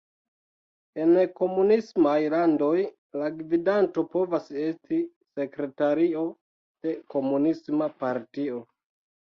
En komunismaj landoj, la gvidanto povas esti "sekretario de komunisma partio".